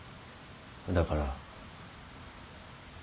だから。